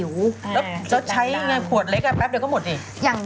แล้วจะใช้ยังไงขวดเล็กแป๊บเดียวก็หมดอีก